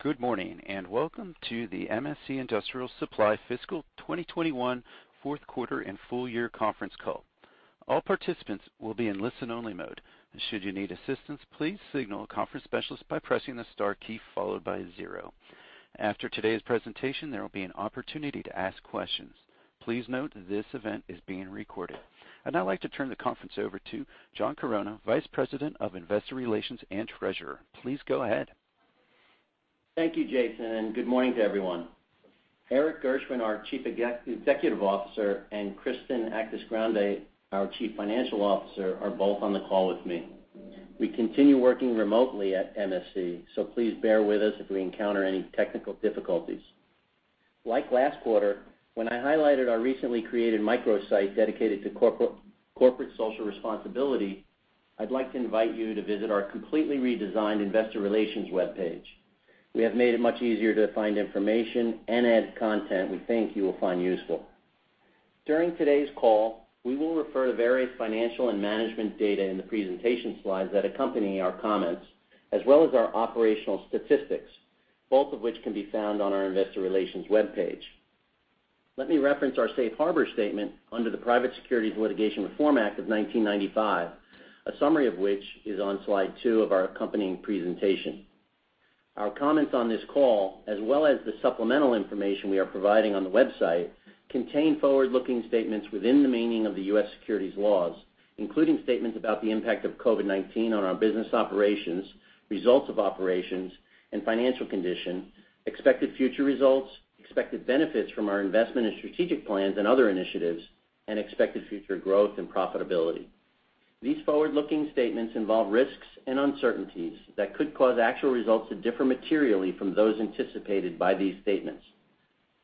Good morning, and welcome to the MSC Industrial Supply Fiscal 2021 Fourth Quarter and Full Year Conference Call. All participants will be in listen only mode. Should you need assistance, please signal a conference specialist by pressing the star key followed by zero. After today's presentation, there will be an opportunity to ask questions. Please note this event is being recorded. I'd now like to turn the conference over to John Chironna, Vice President of Investor Relations and Treasurer. Please go ahead. Thank you, Jason, and good morning to everyone. Erik Gershwind, our Chief Executive Officer, and Kristen Actis-Grande, our Chief Financial Officer, are both on the call with me. We continue working remotely at MSC, so please bear with us if we encounter any technical difficulties. Like last quarter, when I highlighted our recently created microsite dedicated to corporate social responsibility, I'd like to invite you to visit our completely redesigned Investor Relations webpage. We have made it much easier to find information and add content we think you will find useful. During today's call, we will refer to various financial and management data in the presentation slides that accompany our comments, as well as our operational statistics, both of which can be found on our Investor Relations webpage. Let me reference our safe harbor statement under the Private Securities Litigation Reform Act of 1995, a summary of which is on slide two of our accompanying presentation. Our comments on this call, as well as the supplemental information we are providing on the website, contain forward-looking statements within the meaning of the U.S. securities laws, including statements about the impact of COVID-19 on our business operations, results of operations, and financial condition, expected future results, expected benefits from our investment and strategic plans and other initiatives, and expected future growth and profitability. These forward-looking statements involve risks and uncertainties that could cause actual results to differ materially from those anticipated by these statements.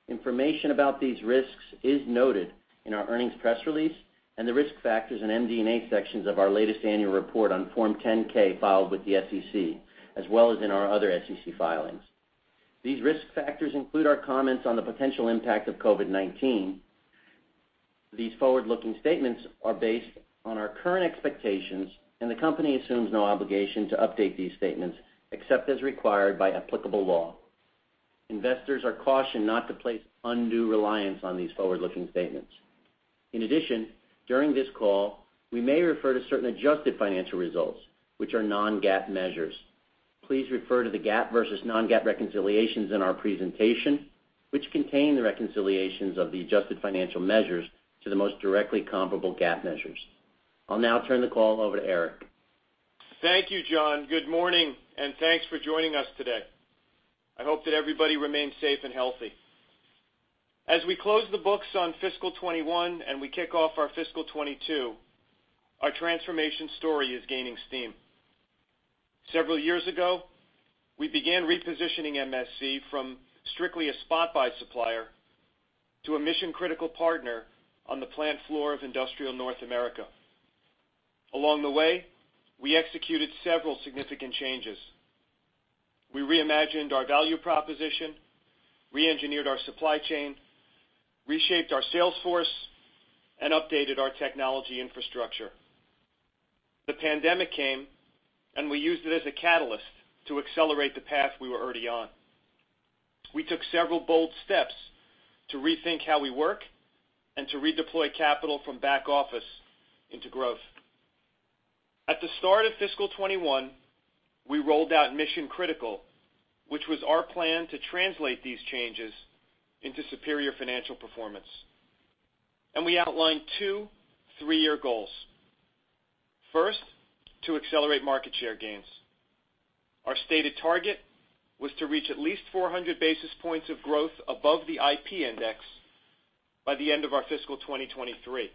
Information about these risks is noted in our earnings press release and the Risk Factors and MD&A sections of our latest annual report on Form 10-K filed with the SEC, as well as in our other SEC filings. These risk factors include our comments on the potential impact of COVID-19. These forward-looking statements are based on our current expectations, and the company assumes no obligation to update these statements except as required by applicable law. Investors are cautioned not to place undue reliance on these forward-looking statements. In addition, during this call, we may refer to certain adjusted financial results, which are non-GAAP measures. Please refer to the GAAP versus non-GAAP reconciliations in our presentation, which contain the reconciliations of the adjusted financial measures to the most directly comparable GAAP measures. I'll now turn the call over to Erik. Thank you, John. Good morning, and thanks for joining us today. I hope that everybody remains safe and healthy. As we close the books on fiscal 2021 and we kick off our fiscal 2022, our transformation story is gaining steam. Several years ago, we began repositioning MSC from strictly a spot buy supplier to a Mission Critical partner on the plant floor of industrial North America. Along the way, we executed several significant changes. We re-imagined our value proposition, re-engineered our supply chain, reshaped our sales force, and updated our technology infrastructure. The pandemic came, and we used it as a catalyst to accelerate the path we were already on. We took several bold steps to rethink how we work and to redeploy capital from back office into growth. At the start of fiscal 2021, we rolled out Mission Critical, which was our plan to translate these changes into superior financial performance. We outlined two three-year goals. First, to accelerate market share gains. Our stated target was to reach at least 400 basis points of growth above the IP index by the end of our fiscal 2023.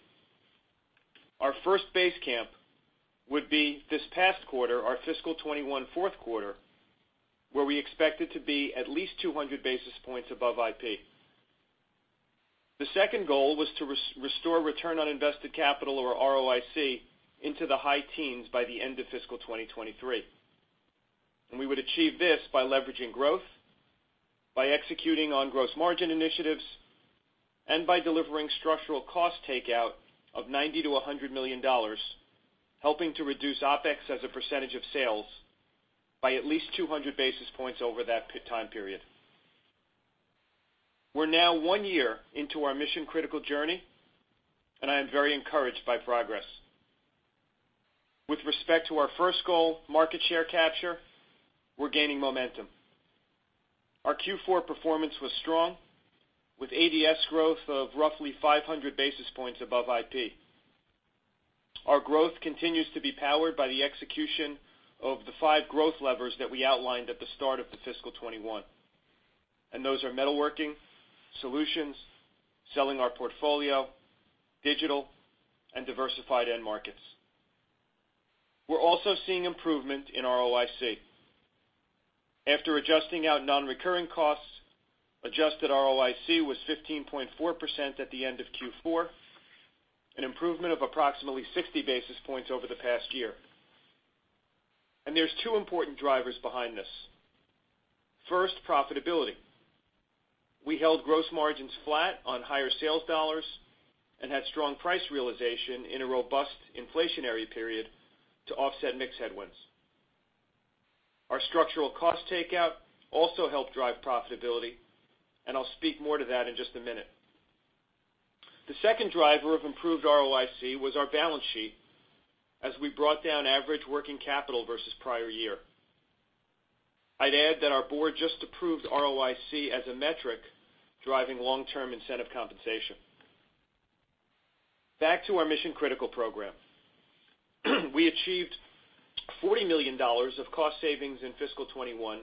Our first base camp would be this past quarter, our fiscal 2021 fourth quarter, where we expected to be at least 200 basis points above IP. The second goal was to restore return on invested capital, or ROIC, into the high teens by the end of fiscal 2023. We would achieve this by leveraging growth, by executing on gross margin initiatives, and by delivering structural cost takeout of $90 million-$100 million, helping to reduce OpEx as a percentage of sales by at least 200 basis points over that time period. We're now one year into our Mission Critical journey, and I am very encouraged by progress. With respect to our first goal, market share capture, we're gaining momentum. Our Q4 performance was strong, with ADS growth of roughly 500 basis points above IP. Our growth continues to be powered by the execution of thefive growth levers that we outlined at the start of the fiscal 2021. Those are metalworking, solutions, selling our portfolio, digital, and diversified end markets. We're also seeing improvement in ROIC. After adjusting out non-recurring costs, adjusted ROIC was 15.4% at the end of Q4, an improvement of approximately 60 basis points over the past year. There's two important drivers behind this. First, profitability. We held gross margins flat on higher sales dollars and had strong price realization in a robust inflationary period to offset mix headwinds. Our structural cost takeout also helped drive profitability, and I'll speak more to that in just a minute. The second driver of improved ROIC was our balance sheet, as we brought down average working capital versus the prior year. I'd add that our board just approved ROIC as a metric driving long-term incentive compensation. Back to our Mission Critical program. We achieved $40 million of cost savings in fiscal 2021,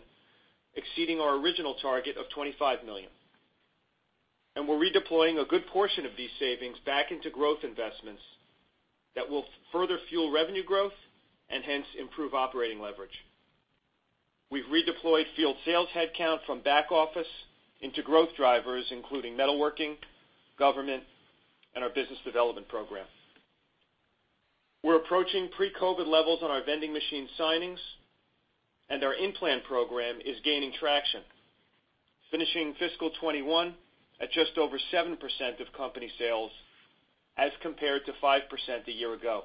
exceeding our original target of $25 million. We're redeploying a good portion of these savings back into growth investments that will further fuel revenue growth and hence improve operating leverage. We've redeployed field sales headcount from back office into growth drivers, including metalworking, government, and our business development program. We're approaching pre-COVID-19 levels on our vending machine signings, and our in-plant program is gaining traction, finishing fiscal 2021 at just over 7% of company sales as compared to 5% a year ago.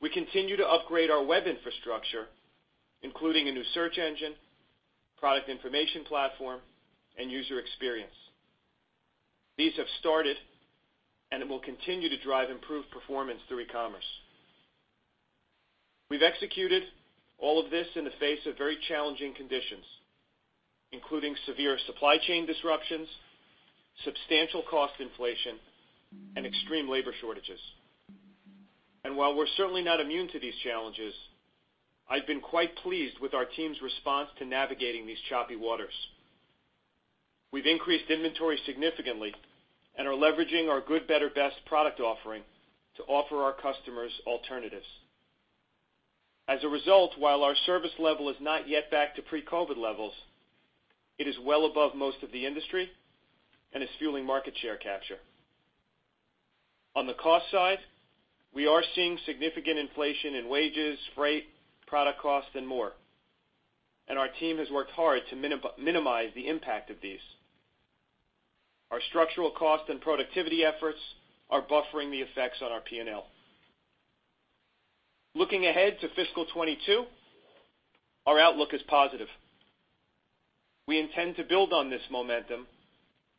We continue to upgrade our web infrastructure, including a new search engine, product information platform, and user experience. These have started, and it will continue to drive improved performance through e-commerce. We've executed all of this in the face of very challenging conditions, including severe supply chain disruptions, substantial cost inflation, and extreme labor shortages. While we're certainly not immune to these challenges, I've been quite pleased with our team's response to navigating these choppy waters. We've increased inventory significantly and are leveraging our good, better, best product offering to offer our customers alternatives. As a result, while our service level is not yet back to pre-COVID-19 levels, it is well above most of the industry and is fueling market share capture. On the cost side, we are seeing significant inflation in wages, freight, product costs, and more. Our team has worked hard to minimize the impact of these. Our structural cost and productivity efforts are buffering the effects on our P&L. Looking ahead to fiscal 2022, our outlook is positive. We intend to build on this momentum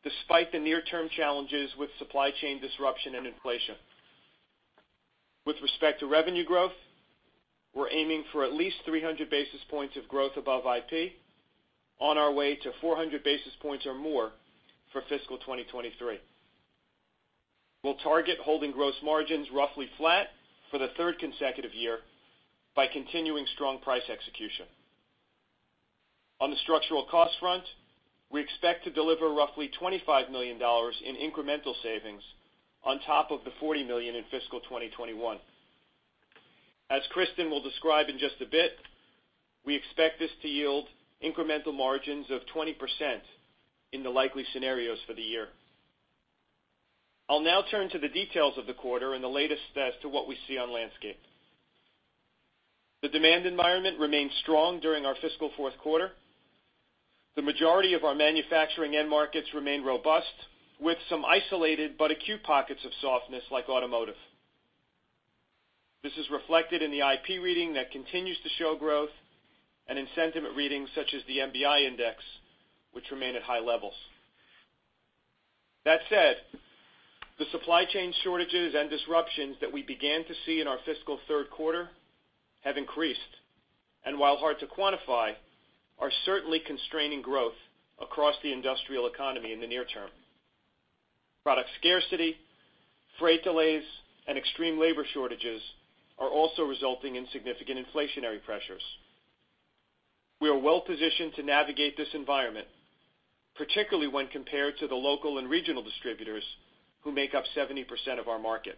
despite the near-term challenges with supply chain disruption and inflation. With respect to revenue growth, we're aiming for at least 300 basis points of growth above IP, on our way to 400 basis points or more for fiscal 2023. We'll target holding gross margins roughly flat for the third consecutive year by continuing strong price execution. On the structural cost front, we expect to deliver roughly $25 million in incremental savings on top of the $40 million in fiscal 2021. As Kristen will describe in just a bit, we expect this to yield incremental margins of 20% in the likely scenarios for the year. I'll now turn to the details of the quarter and the latest as to what we see on the landscape. The demand environment remained strong during our fiscal fourth quarter. The majority of our manufacturing end markets remained robust, with some isolated but acute pockets of softness, like automotive. This is reflected in the IP reading that continues to show growth and in sentiment readings such as the MBI index, which remain at high levels. That said, the supply chain shortages and disruptions that we began to see in our fiscal third quarter have increased, and while hard to quantify, are certainly constraining growth across the industrial economy in the near term. Product scarcity, freight delays, and extreme labor shortages are also resulting in significant inflationary pressures. We are well-positioned to navigate this environment, particularly when compared to the local and regional distributors who make up 70% of our market.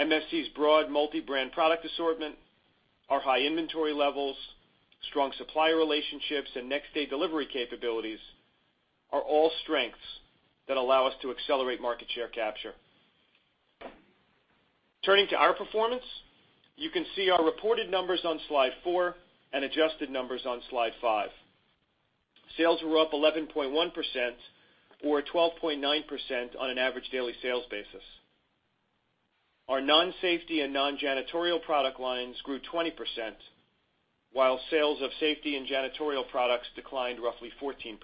MSC's broad multi-brand product assortment, our high inventory levels, strong supplier relationships, and next-day delivery capabilities are all strengths that allow us to accelerate market share capture. Turning to our performance, you can see our reported numbers on slide four and adjusted numbers on slide five. Sales were up 11.1%, or 12.9% on an average daily sales basis. Our non-safety and non-janitorial product lines grew 20%, while sales of safety and janitorial products declined roughly 14%.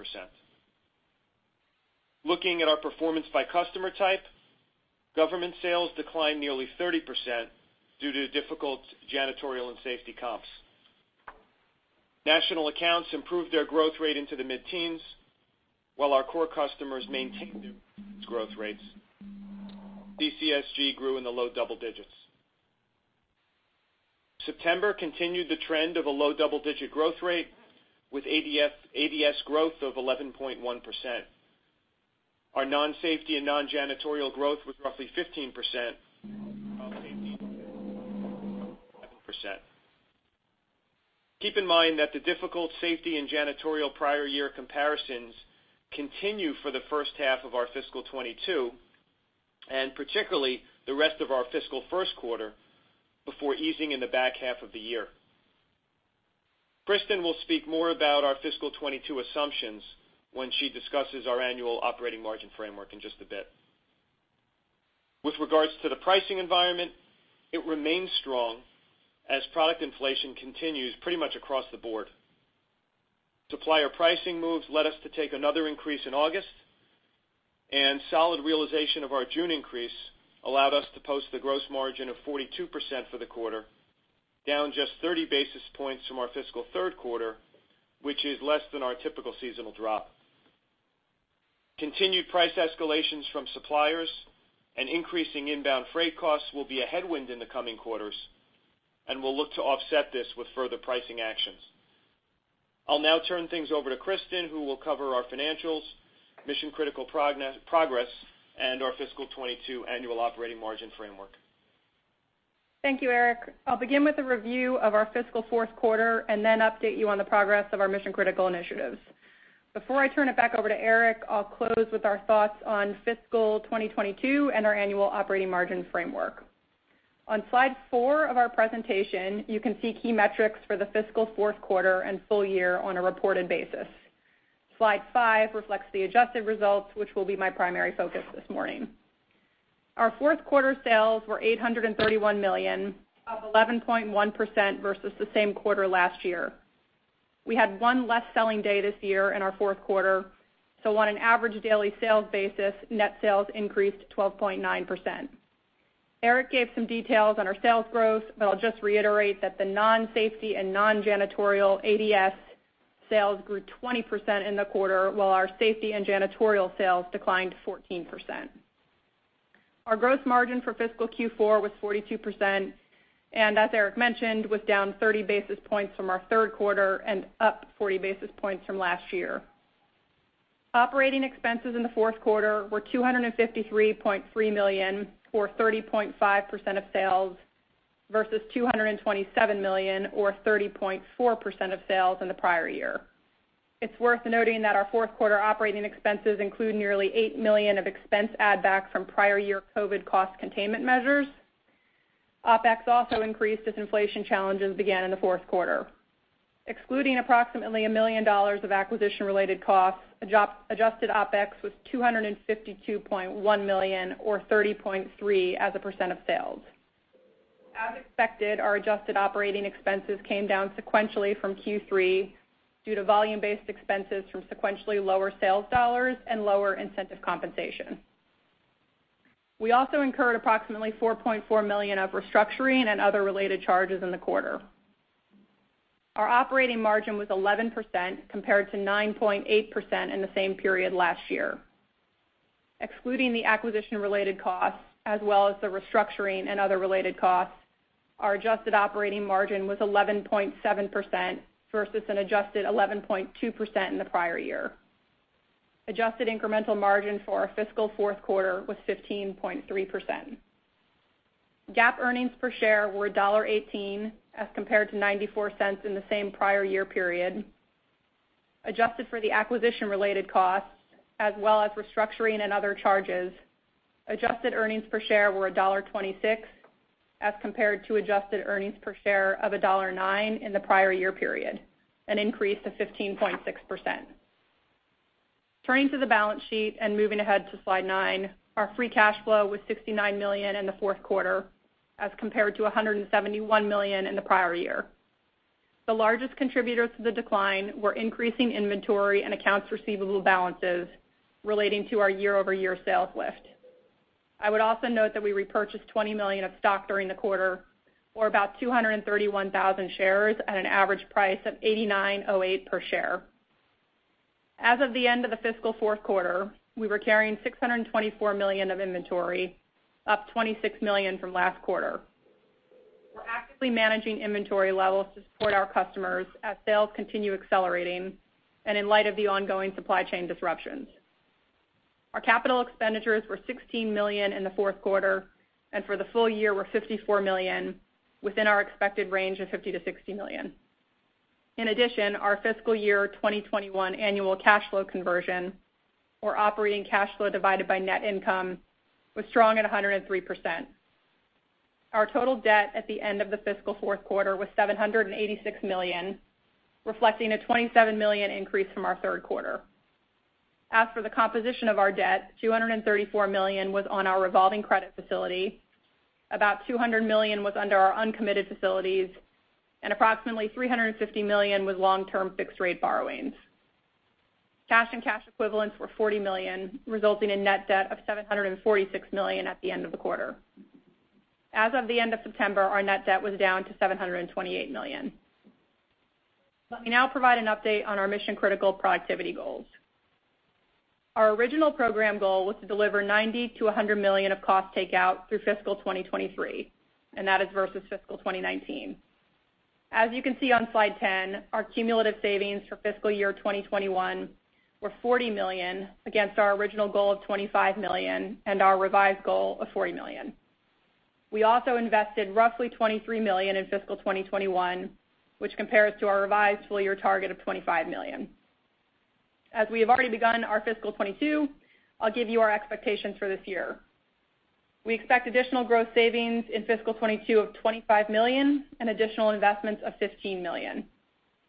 Looking at our performance by customer type, government sales declined nearly 30% due to difficult janitorial and safety comps. National accounts improved their growth rate into the mid-teens, while our core customers maintained their growth rates. DCSG grew in the low double digits. September continued the trend of a low double-digit growth rate with ADS growth of 11.1%. Our non-safety and non-janitorial growth was roughly 15%, while safety [7%]. Keep in mind that the difficult safety and janitorial prior year comparisons continue for the first half of our fiscal 2022, and particularly, the rest of our fiscal first quarter before easing in the back half of the year. Kristen will speak more about our fiscal 2022 assumptions when she discusses our annual operating margin framework in just a bit. With regards to the pricing environment, it remains strong as product inflation continues pretty much across the board. Supplier pricing moves led us to take another increase in August, and solid realization of our June increase allowed us to post a gross margin of 42% for the quarter, down just 30 basis points from our fiscal third quarter, which is less than our typical seasonal drop. Continued price escalations from suppliers and increasing inbound freight costs will be a headwind in the coming quarters, and we'll look to offset this with further pricing actions. I'll now turn things over to Kristen, who will cover our financials, Mission Critical progress, and our fiscal 2022 annual operating margin framework. Thank you, Erik. I'll begin with a review of our fiscal fourth quarter and then update you on the progress of our Mission Critical initiatives. Before I turn it back over to Erik, I'll close with our thoughts on fiscal 2022 and our annual operating margin framework. On slide four of our presentation, you can see key metrics for the fiscal fourth quarter and full year on a reported basis. Slide five reflects the adjusted results, which will be my primary focus this morning. Our fourth quarter sales were $831 million, up 11.1% versus the same quarter last year. We had one less selling day this year in our fourth quarter, so on an average daily sales basis, net sales increased 12.9%. Erik gave some details on our sales growth, but I'll just reiterate that the non-safety and non-janitorial ADS sales grew 20% in the quarter, while our safety and janitorial sales declined 14%. Our gross margin for fiscal Q4 was 42%, and as Erik mentioned, was down 30 basis points from our third quarter and up 40 basis points from last year. Operating expenses in the fourth quarter were $253.3 million, or 30.5% of sales, versus $227 million or 30.4% of sales in the prior year. It's worth noting that our fourth quarter operating expenses include nearly $8 million of expense add back from prior year COVID-19 cost containment measures. OpEx also increased as inflation challenges began in the fourth quarter. Excluding approximately $1 million of acquisition-related costs, adjusted OpEx was $252.1 million, or 30.3% of sales. As expected, our adjusted operating expenses came down sequentially from Q3 due to volume-based expenses from sequentially lower sales dollars and lower incentive compensation. We also incurred approximately $4.4 million of restructuring and other related charges in the quarter. Our operating margin was 11%, compared to 9.8% in the same period last year. Excluding the acquisition-related costs as well as the restructuring and other related costs, our adjusted operating margin was 11.7% versus an adjusted 11.2% in the prior year. Adjusted incremental margin for our fiscal fourth quarter was 15.3%. GAAP earnings per share were $1.18 as compared to $0.94 in the same prior year period. Adjusted for the acquisition-related costs as well as restructuring and other charges, adjusted earnings per share were $1.26, as compared to adjusted earnings per share of $1.09 in the prior year period, an increase of 15.6%. Turning to the balance sheet and moving ahead to slide nine, our free cash flow was $69 million in the fourth quarter as compared to $171 million in the prior year. The largest contributors to the decline were increasing inventory and accounts receivable balances relating to our year-over-year sales lift. I would also note that we repurchased $20 million of stock during the quarter, or about 231,000 shares at an average price of $89.08 per share. As of the end of the fiscal fourth quarter, we were carrying $624 million of inventory, up $26 million from last quarter. We're actively managing inventory levels to support our customers as sales continue accelerating and in light of the ongoing supply chain disruptions. Our capital expenditures were $16 million in the fourth quarter, and for the full year were $54 million, within our expected range of $50 million-$60 million. In addition, our fiscal year 2021 annual cash flow conversion, or operating cash flow divided by net income, was strong at 103%. Our total debt at the end of the fiscal fourth quarter was $786 million, reflecting a $27 million increase from our third quarter. As for the composition of our debt, $234 million was on our revolving credit facility, about $200 million was under our uncommitted facilities, and approximately $350 million was long-term fixed rate borrowings. Cash and cash equivalents were $40 million, resulting in net debt of $746 million at the end of the quarter. As of the end of September, our net debt was down to $728 million. Let me now provide an update on our Mission Critical productivity goals. Our original program goal was to deliver $90 million-$100 million of cost takeout through fiscal 2023, that is versus fiscal 2019. As you can see on slide 10, our cumulative savings for fiscal year 2021 were $40 million against our original goal of $25 million and our revised goal of $40 million. We also invested roughly $23 million in fiscal 2021, which compares to our revised full-year target of $25 million. As we have already begun our fiscal 2022, I'll give you our expectations for this year. We expect additional growth savings in fiscal 2022 of $25 million and additional investments of $15 million.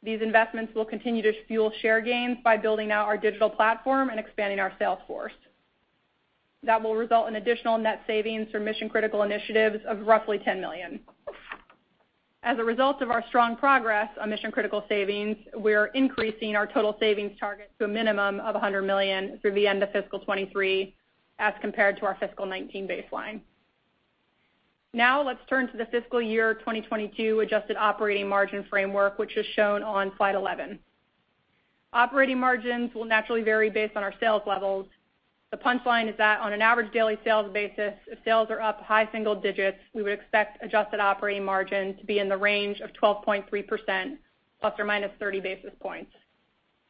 These investments will continue to fuel share gains by building out our digital platform and expanding our sales force. That will result in additional net savings for Mission Critical initiatives of roughly $10 million. As a result of our strong progress on Mission Critical savings, we are increasing our total savings target to a minimum of $100 million through the end of fiscal 2023 as compared to our fiscal 2019 baseline. Let's turn to the fiscal year 2022 adjusted operating margin framework, which is shown on slide 11. Operating margins will naturally vary based on our sales levels. The punchline is that on an average daily sales basis, if sales are up high single-digits, we would expect adjusted operating margin to be in the range of 12.3% ± 30 basis points.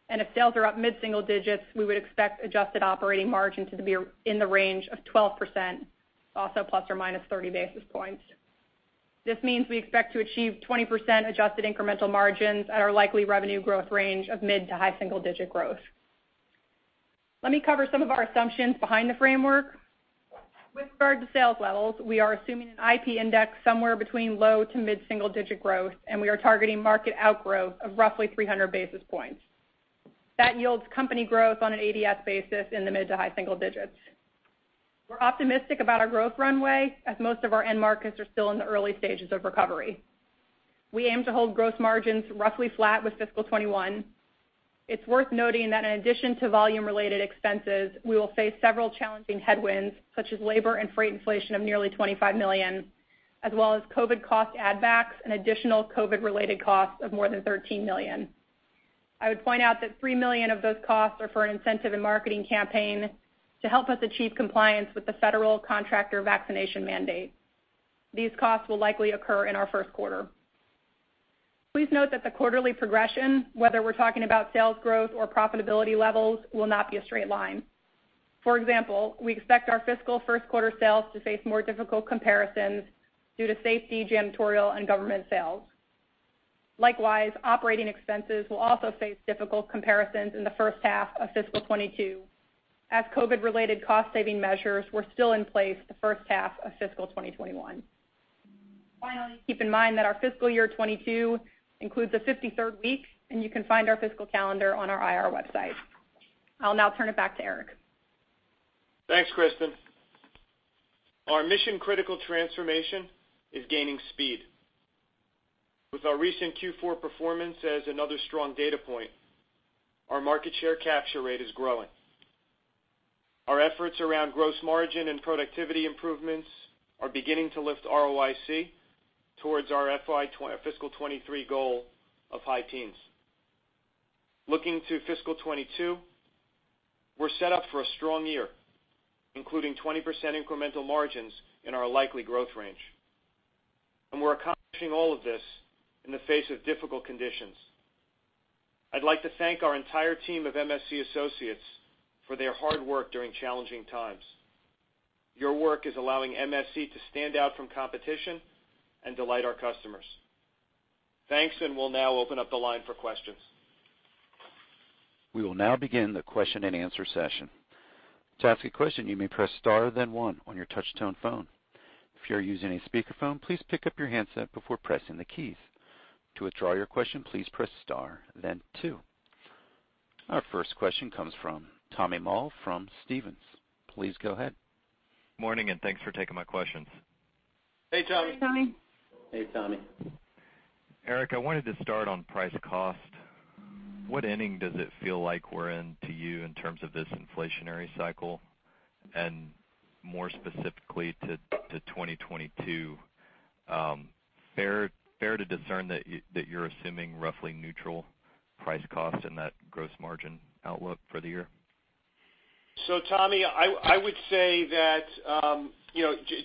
If sales are up mid-single-digits, we would expect adjusted operating margin to be in the range of 12%, also ± 30 basis points. This means we expect to achieve 20% adjusted incremental margins at our likely revenue growth range of mid- to high single-digit growth. Let me cover some of our assumptions behind the framework. With regard to sales levels, we are assuming an IP index somewhere between low to mid single-digit growth, and we are targeting market outgrowth of roughly 300 basis points. That yields company growth on an ADS basis in the mid to high single digits. We're optimistic about our growth runway, as most of our end markets are still in the early stages of recovery. We aim to hold gross margins roughly flat with fiscal 2021. It's worth noting that in addition to volume-related expenses, we will face several challenging headwinds, such as labor and freight inflation of nearly $25 million, as well as COVID-19 cost add backs and additional COVID-19-related costs of more than $13 million. I would point out that $3 million of those costs are for an incentive and marketing campaign to help us achieve compliance with the federal contractor vaccination mandate. These costs will likely occur in our first quarter. Please note that the quarterly progression, whether we're talking about sales growth or profitability levels, will not be a straight line. For example, we expect our fiscal first quarter sales to face more difficult comparisons due to safety, janitorial, and government sales. Likewise, operating expenses will also face difficult comparisons in the first half of fiscal 2022, as COVID-19-related cost-saving measures were still in place the first half of fiscal 2021. Finally, keep in mind that our fiscal year 2022 includes a 53rd week, and you can find our fiscal calendar on our IR website. I'll now turn it back to Erik. Thanks, Kristen. Our Mission Critical transformation is gaining speed. With our recent Q4 performance as another strong data point, our market share capture rate is growing. Our efforts around gross margin and productivity improvements are beginning to lift ROIC towards our fiscal 2023 goal of high teens. Looking to fiscal 2022, we're set up for a strong year, including 20% incremental margins in our likely growth range. We're accomplishing all of this in the face of difficult conditions. I'd like to thank our entire team of MSC associates for their hard work during challenging times. Your work is allowing MSC to stand out from competition and delight our customers. Thanks, we'll now open up the line for questions. We will now begin the question and answer session. To ask a question, you may press star, then one on your touch tone phone. If you're using a speakerphone, please pick up your handset before pressing the keys. To withdraw your question, please press star then two. Our first question comes from Tommy Moll from Stephens. Please go ahead. Morning, thanks for taking my questions. Hey, Tommy. Hey, Tommy. Hey, Tommy. Erik, I wanted to start on price a cost. What inning does it feel like we're in to you in terms of this inflationary cycle? More specifically to 2022, fair to discern that you're assuming roughly neutral price cost in that gross margin outlook for the year? Tommy, I would say that,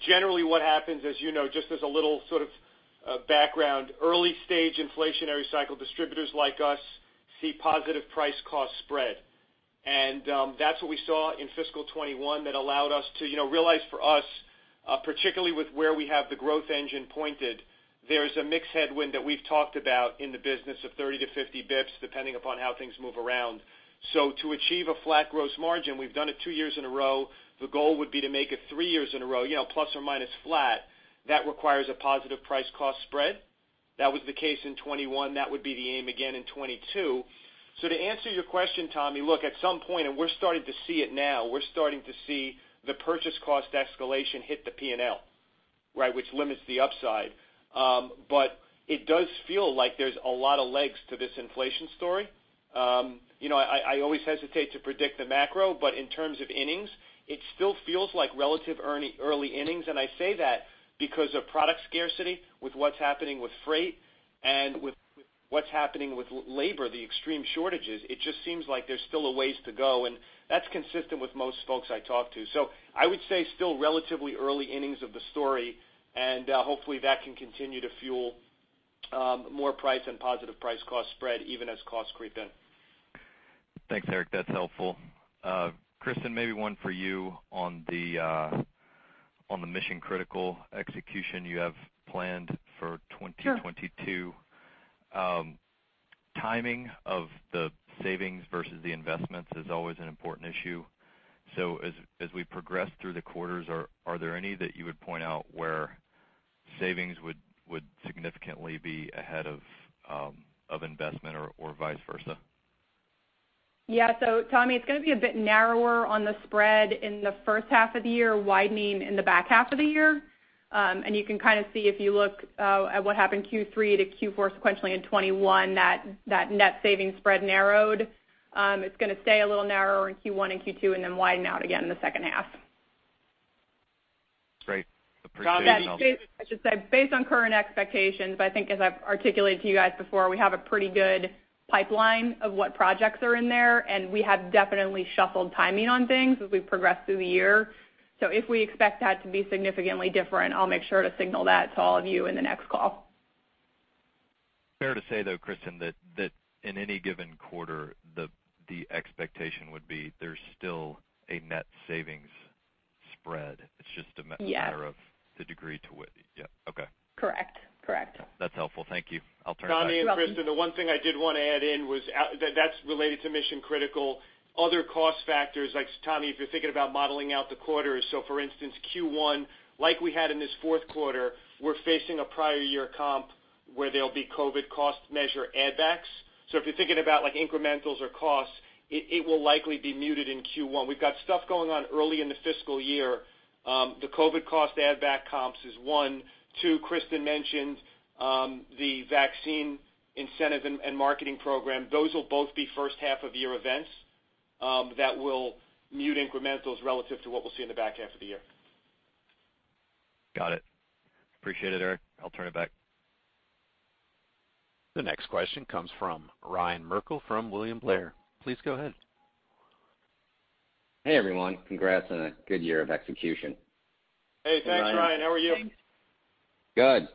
generally what happens, as you know, just as a little sort of background, early stage inflationary cycle distributors like us see positive price cost spread. That's what we saw in fiscal 2021 that allowed us to realize for us, particularly with where we have the growth engine pointed, there's a mix headwind that we've talked about in the business of 30 to 50 basis points, depending upon how things move around. To achieve a flat gross margin, we've done it two years in a row. The goal would be to make it three years in a row, plus or minus flat. That requires a positive price cost spread. That was the case in 2021. That would be the aim again in 2022. To answer your question, Tommy, look, at some point, and we're starting to see it now, we're starting to see the purchase cost escalation hit the P&L, which limits the upside. It does feel like there's a lot of legs to this inflation story. I always hesitate to predict the macro, but in terms of innings, it still feels like relative early innings, and I say that because of product scarcity with what's happening with freight and with what's happening with labor, the extreme shortages. It just seems like there's still a ways to go, and that's consistent with most folks I talk to. I would say still relatively early innings of the story, and hopefully, that can continue to fuel more price and positive price cost spread even as costs creep in. Thanks, Erik. That's helpful. Kristen, maybe one for you on the Mission Critical execution you have planned for 2022. Sure. Timing of the savings versus the investments is always an important issue. As we progress through the quarters, are there any that you would point out where savings would significantly be ahead of investment or vice versa? Yeah. Tommy, it's going to be a bit narrower on the spread in the first half of the year, widening in the back half of the year. You can kind of see if you look at what happened Q3 to Q4 sequentially in 2021, that net savings spread narrowed. It's going to stay a little narrower in Q1 and Q2, and then widen out again in the second half. Great. Appreciate it. I should say, based on current expectations, I think as I've articulated to you guys before, we have a pretty good pipeline of what projects are in there, and we have definitely shuffled timing on things as we've progressed through the year. If we expect that to be significantly different, I'll make sure to signal that to all of you in the next call. Fair to say, though, Kristen, that in any given quarter, the expectation would be there's still a net savings spread? Yeah of the degree to which Yeah. Okay. Correct. That's helpful. Thank you. I'll turn it back. You're welcome. Tommy and Kristen, the one thing I did want to add in was that's related to Mission Critical. Other cost factors, like Tommy, if you're thinking about modeling out the quarters, so for instance, Q1, like we had in this fourth quarter, we're facing a prior year comp where there'll be COVID-19 cost measure add-backs. If you're thinking about incrementals or costs, it will likely be muted in Q1. We've got stuff going on early in the fiscal year. The COVID-19 cost add-back comps is one. Two, Kristen mentioned the vaccine incentive and marketing program. Those will both be first-half of year events that will mute incrementals relative to what we'll see in the back half of the year. Got it. Appreciate it, Erik. I'll turn it back. The next question comes from Ryan Merkel from William Blair. Please go ahead. Hey, everyone. Congrats on a good year of execution. Hey, thanks, Ryan. How are you? Good.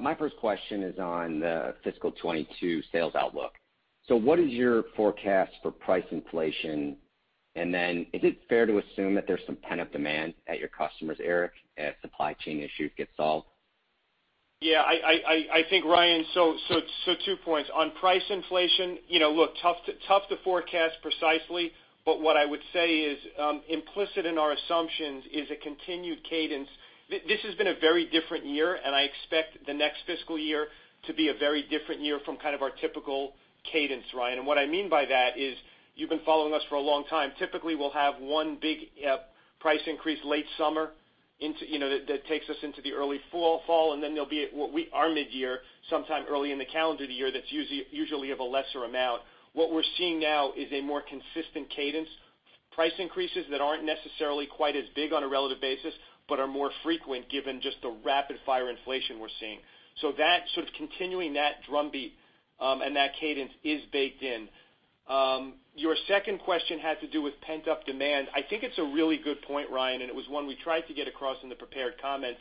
My first question is on the fiscal 2022 sales outlook. What is your forecast for price inflation? Is it fair to assume that there's some pent-up demand at your customers, Erik, as supply chain issues get solved? Yeah, I think, Ryan, so 2 points. On price inflation, look, tough to forecast precisely. What I would say is implicit in our assumptions is a continued cadence. This has been a very different year. I expect the next fiscal year to be a very different year from kind of our typical cadence, Ryan. What I mean by that is you've been following us for a long time. Typically, we'll have one big price increase late summer that takes us into the early fall. There'll be our mid-year, sometime early in the calendar of the year, that's usually of a lesser amount. What we're seeing now is a more consistent cadence. Price increases that aren't necessarily quite as big on a relative basis, are more frequent given just the rapid fire inflation we're seeing. Continuing that drumbeat, and that cadence is baked in. Your second question had to do with pent-up demand. I think it's a really good point, Ryan, it was one we tried to get across in the prepared comments.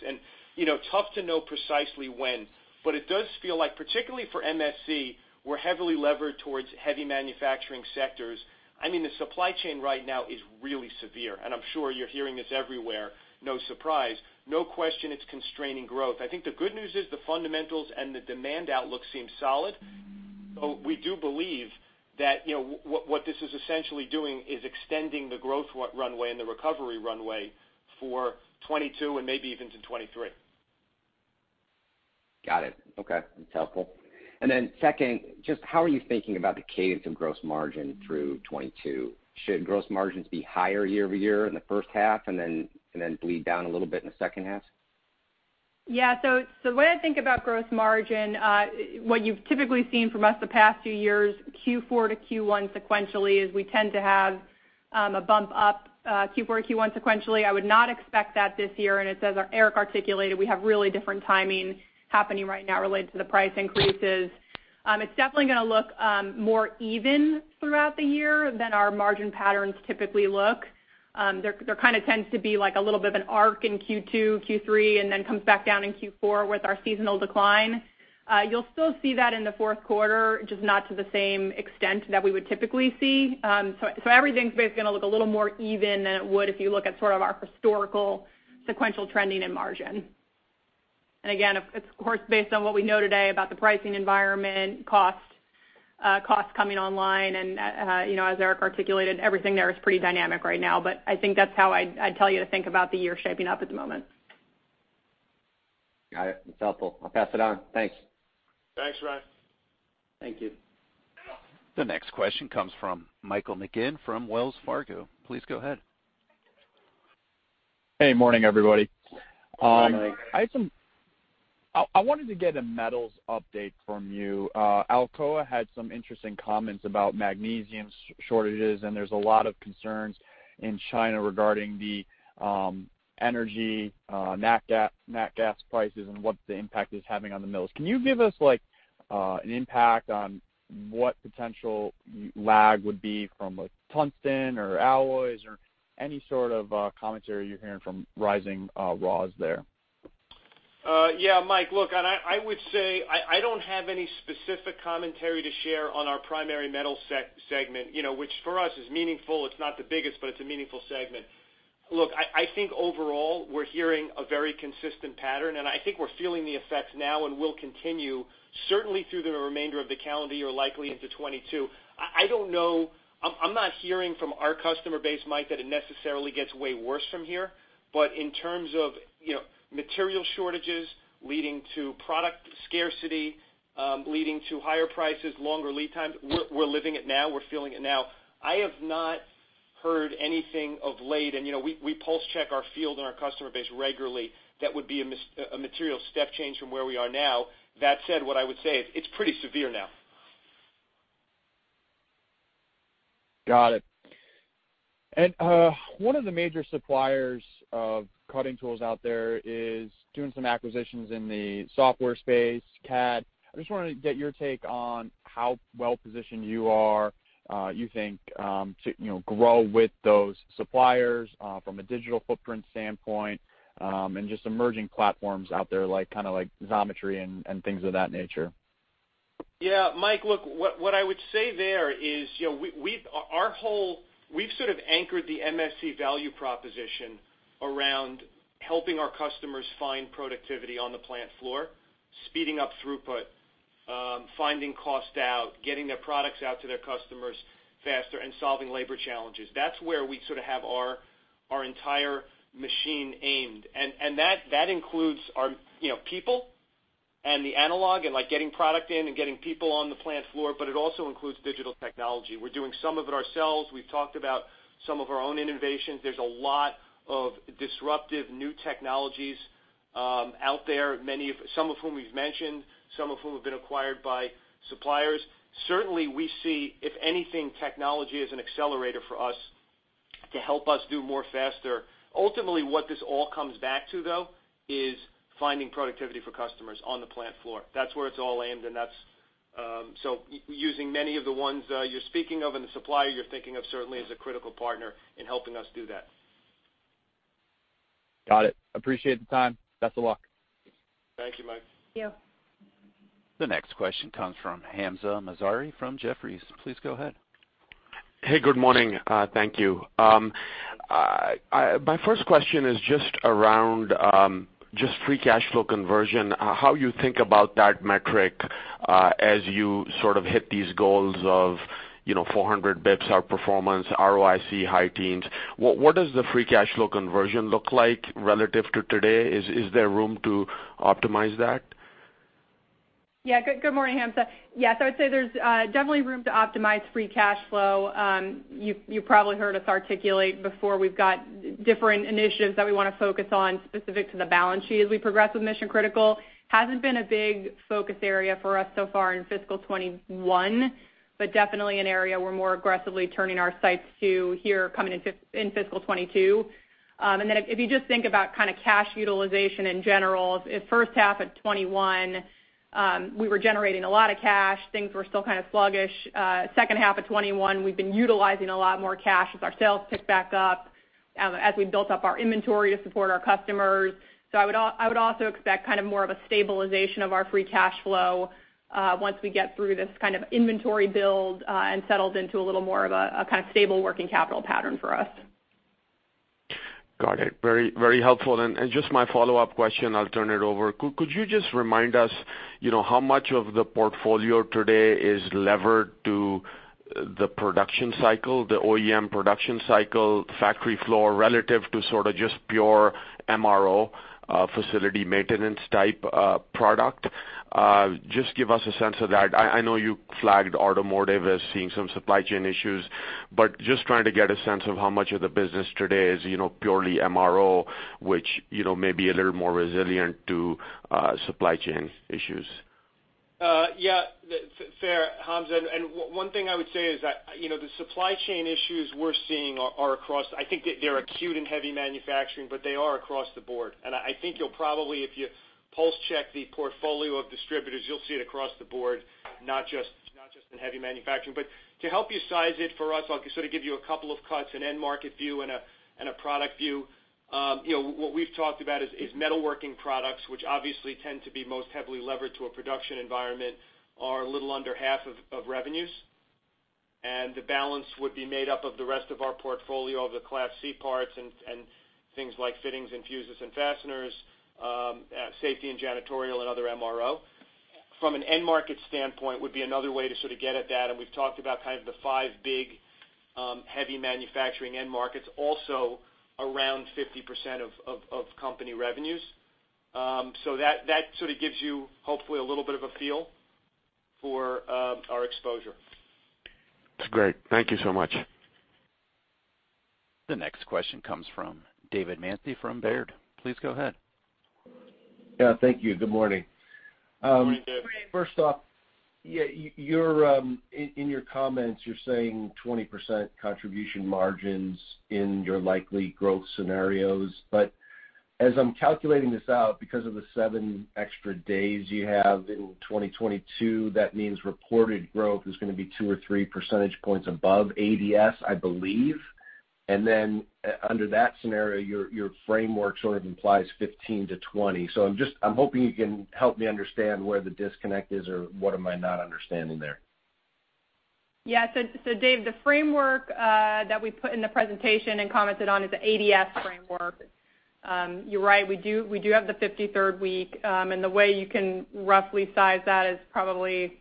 You know, tough to know precisely when, but it does feel like, particularly for MSC, we're heavily levered towards heavy manufacturing sectors. I mean, the supply chain right now is really severe, and I'm sure you're hearing this everywhere, no surprise. No question it's constraining growth. I think the good news is the fundamentals and the demand outlook seem solid. We do believe that what this is essentially doing is extending the growth runway and the recovery runway for 2022 and maybe even to 2023. Got it. Okay. That's helpful. Then second, just how are you thinking about the cadence of gross margin through 2022? Should gross margins be higher year-over-year in the first half and then bleed down a little bit in the second half? Yeah. The way I think about gross margin, what you've typically seen from us the past few years, Q4 to Q1 sequentially, is we tend to have a bump up Q4 to Q1 sequentially. I would not expect that this year. As Eric articulated, we have really different timing happening right now related to the price increases. It's definitely going to look more even throughout the year than our margin patterns typically look. There kind of tends to be a little bit of an arc in Q2, Q3, then comes back down in Q4 with our seasonal decline. You'll still see that in the fourth quarter, just not to the same extent that we would typically see. Everything's basically going to look a little more even than it would if you look at sort of our historical sequential trending in margin. Again, it's of course based on what we know today about the pricing environment, costs coming online, and you know, as Erik articulated, everything there is pretty dynamic right now. I think that's how I'd tell you to think about the year shaping up at the moment. Got it. That's helpful. I'll pass it on. Thanks. Thanks, Ryan. Thank you. The next question comes from Michael McGinn from Wells Fargo. Please go ahead. Hey. Morning, everybody. Morning. I wanted to get a metals update from you. Alcoa had some interesting comments about magnesium shortages. There's a lot of concerns in China regarding the energy nat gas prices and what the impact is having on the mills. Can you give us an impact on what potential lag would be from tungsten or alloys, or any sort of commentary you're hearing from rising raws there? Yeah, Mike, look, I would say I don't have any specific commentary to share on our primary metal segment which for us is meaningful. It's not the biggest, but it's a meaningful segment. Look, I think overall, we're hearing a very consistent pattern, and I think we're feeling the effects now and will continue, certainly through the remainder of the calendar year, likely into 2022. I'm not hearing from our customer base, Mike, that it necessarily gets way worse from here. In terms of, you know, material shortages leading to product scarcity, leading to higher prices, longer lead times, we're living it now. We're feeling it now. I have not heard anything of late, and we pulse check our field and our customer base regularly, that would be a material step change from where we are now. That said, what I would say is it's pretty severe now. Got it. One of the major suppliers of cutting tools out there is doing some acquisitions in the software space, CAD. I just wanted to get your take on how well-positioned you are, you think, to grow with those suppliers from a digital footprint standpoint, and just emerging platforms out there, like Xometry and things of that nature. Yeah, Mike, look, what I would say there is we've sort of anchored the MSC value proposition around helping our customers find productivity on the plant floor, speeding up throughput, finding cost out, getting their products out to their customers faster, and solving labor challenges. That's where we sort of have our entire machine aimed. That includes our people and the analog and getting product in and getting people on the plant floor, but it also includes digital technology. We're doing some of it ourselves. We've talked about some of our own innovations. There's a lot of disruptive new technologies out there, some of whom we've mentioned, some of whom have been acquired by suppliers. Certainly, we see, if anything, technology as an accelerator for us to help us do more faster. Ultimately, what this all comes back to, though, is finding productivity for customers on the plant floor. That's where it's all aimed, using many of the ones you're speaking of and the supplier you're thinking of, certainly as a critical partner in helping us do that. Got it. Appreciate the time. Best of luck. Thank you, Mike. Thank you. The next question comes from Hamzah Mazari from Jefferies. Please go ahead. Hey, good morning. Thank you. My first question is just around free cash flow conversion, how you think about that metric as you sort of hit these goals of 400 basis points outperformance, ROIC high teens. What does the free cash flow conversion look like relative to today? Is there room to optimize that? Yeah. Good morning, Hamzah. Yes, I would say there's definitely room to optimize free cash flow. You probably heard us articulate before we've got different initiatives that we want to focus on specific to the balance sheet as we progress with Mission Critical. Hasn't been a big focus area for us so far in fiscal 2021, but definitely an area we're more aggressively turning our sights to here coming in fiscal 2022. If you just think about kind of cash utilization in general, first half of 2021, we were generating a lot of cash. Things were still kind of sluggish. Second half of 2021, we've been utilizing a lot more cash as our sales picked back up, as we built up our inventory to support our customers. I would also expect kind of more of a stabilization of our free cash flow once we get through this kind of inventory build and settled into a little more of a kind of stable working capital pattern for us. Got it. Very helpful. Just my follow-up question, I'll turn it over. Could you just remind us how much of the portfolio today is levered to the production cycle, the OEM production cycle, factory floor, relative to sort of just pure MRO, facility maintenance type product? Just give us a sense of that. I know you flagged automotive as seeing some supply chain issues. Just trying to get a sense of how much of the business today is purely MRO, which may be a little more resilient to supply chain issues. Fair, Hamzah, one thing I would say is that the supply chain issues we're seeing are acute in heavy manufacturing, but they are across the board. I think you'll probably, if you pulse check the portfolio of distributors, you'll see it across the board, not just in heavy manufacturing. To help you size it for us, I'll sort of give you a couple of cuts, an end market view, and a product view. What we've talked about is metalworking products, which obviously tend to be most heavily levered to a production environment, are a little under half of revenues. The balance would be made up of the rest of our portfolio, the Class C parts and things like fittings and fuses and fasteners, safety and janitorial and other MRO. From an end market standpoint would be another way to sort of get at that. We've talked about kind of the five big heavy manufacturing end markets also around 50% of company revenues. That sort of gives you, hopefully, a little bit of a feel for our exposure. That's great. Thank you so much. The next question comes from David Manthey from Baird. Please go ahead. Yeah. Thank you. Good morning. Morning, Dave. First off, in your comments, you're saying 20% contribution margins in your likely growth scenarios. As I'm calculating this out, because of the seven extra days you have in 2022, that means reported growth is going to be 2 or 3 percentage points above ADS, I believe. Under that scenario, your framework sort of implies 15%-20%. I'm hoping you can help me understand where the disconnect is or what am I not understanding there. David Manthey, the framework that we put in the presentation and commented on is the ADS framework. You're right, we do have the 53rd week. The way you can roughly size that is probably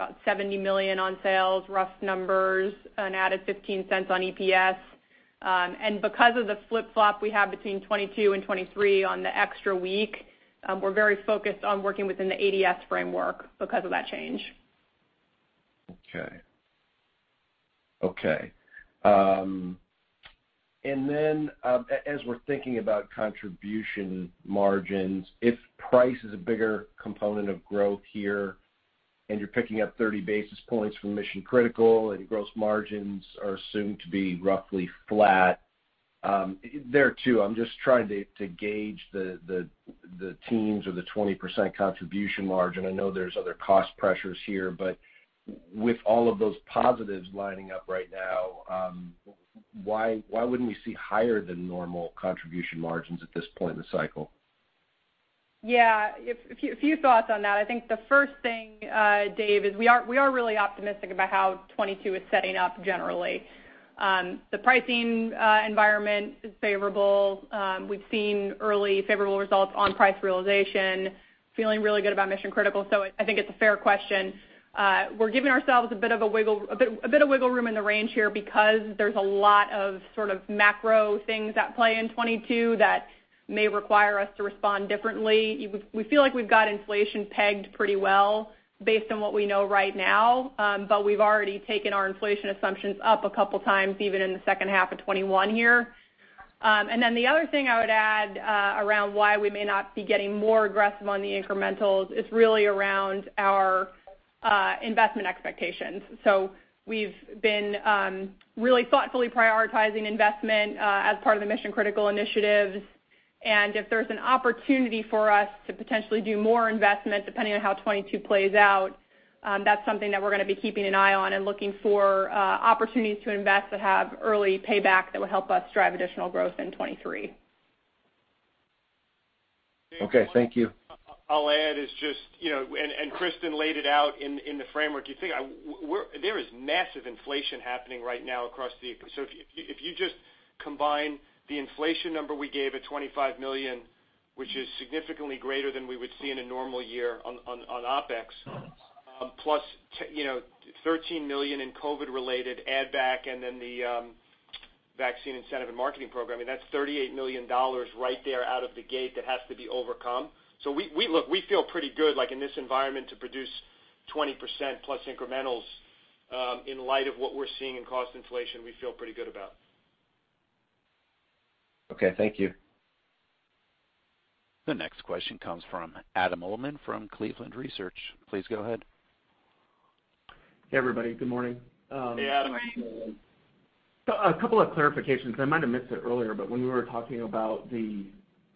about $70 million on sales, rough numbers, an added $0.15 on EPS. Because of the flip-flop we have between 2022 and 2023 on the extra week, we're very focused on working within the ADS framework because of that change. Okay. As we're thinking about contribution margins, if price is a bigger component of growth here, and you're picking up 30 basis points from Mission Critical, and your gross margins are assumed to be roughly flat. There, too, I'm just trying to gauge the teams or the 20% contribution margin. I know there's other cost pressures here, but with all of those positives lining up right now, why wouldn't we see higher than normal contribution margins at this point in the cycle? Yeah. A few thoughts on that. I think the first thing, David, is we are really optimistic about how 2022 is setting up generally. The pricing environment is favorable. We've seen early favorable results on price realization, feeling really good about Mission Critical. I think it's a fair question. We're giving ourselves a bit of wiggle room in the range here because there's a lot of sort of macro things at play in 2022 that may require us to respond differently. We feel like we've got inflation pegged pretty well based on what we know right now. We've already taken our inflation assumptions up a couple times, even in the second half of 2021 here. The other thing I would add around why we may not be getting more aggressive on the incrementals is really around our investment expectations. We've been really thoughtfully prioritizing investment as part of the Mission Critical initiatives. If there's an opportunity for us to potentially do more investment, depending on how 2022 plays out, that's something that we're going to be keeping an eye on and looking for opportunities to invest that have early payback that will help us drive additional growth in 2023. Okay. Thank you. I'll add is just, and Kristen laid it out in the framework. There is massive inflation happening right now. If you just combine the inflation number we gave at $25 million, which is significantly greater than we would see in a normal year on OpEx, +$13 million in COVID-related add back, and then the vaccine incentive and marketing program, that's $38 million right there out of the gate that has to be overcome. Look, we feel pretty good, like in this environment to produce 20%+ incrementals, in light of what we're seeing in cost inflation, we feel pretty good about. Okay. Thank you. The next question comes from Adam Uhlman from Cleveland Research Company. Please go ahead. Hey, everybody. Good morning. Hey, Adam. A couple of clarifications. I might have missed it earlier, but when we were talking about the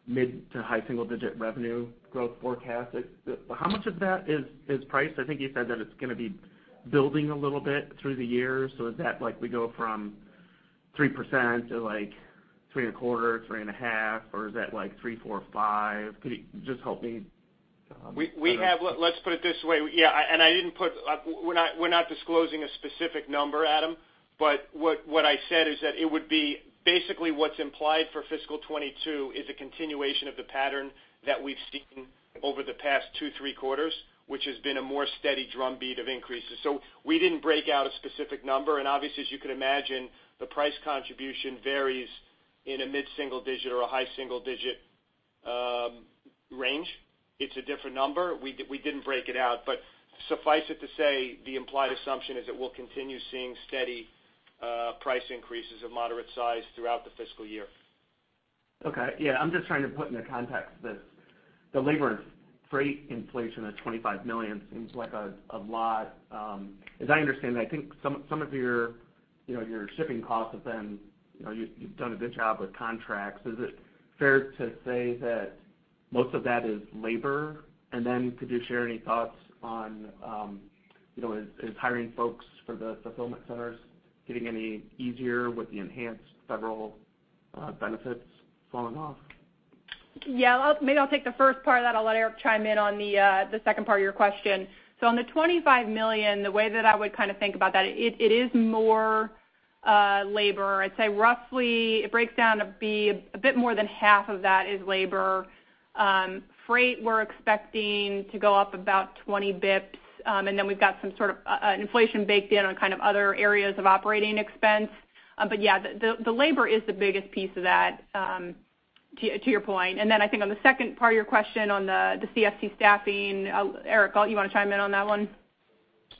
mid to high single-digit revenue growth forecast, how much of that is price? I think you said that it's going to be building a little bit through the year. Is that like we go from 3%-3.25%, 3.5%, or is that 3%, 4%, 5%? Could you just help me? Let's put it this way. We're not disclosing a specific number, Adam. What I said is that it would be basically what's implied for fiscal 2022 is a continuation of the pattern that we've seen over the past two, three quarters, which has been a more steady drumbeat of increases. We didn't break out a specific number, and obviously, as you can imagine, the price contribution varies in a mid-single-digit or a high-single-digit range. It's a different number. We didn't break it out. Suffice it to say, the implied assumption is that we'll continue seeing steady price increases of moderate size throughout the fiscal year. Okay. Yeah. I'm just trying to put into context the labor and freight inflation of $25 million seems like a lot. As I understand, I think some of your shipping costs have been, you've done a good job with contracts. Is it fair to say that most of that is labor? Could you share any thoughts on, is hiring folks for the fulfillment centers getting any easier with the enhanced federal benefits falling off? Maybe I'll take the first part of that. I'll let Erik chime in on the second part of your question. On the $25 million, the way that I would kind of think about that, it is more labor. I'd say roughly it breaks down to be a bit more than half of that is labor. Freight, we're expecting to go up about 20 basis points. We've got some sort of inflation baked in on kind of other areas of operating expense. Yeah, the labor is the biggest piece of that, to your point. Then I think on the second part of your question on the CFC staffing, Erik, you want to chime in on that one?